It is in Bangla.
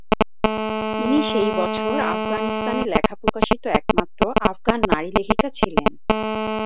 তিনি সেই বছর আফগানিস্তানে লেখা প্রকাশিত একমাত্র আফগান নারী লেখিকা ছিলেন।